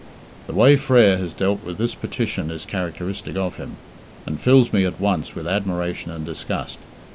The way Frere has dealt with this petition is characteristic of him, and fills me at once with admiration and disgust.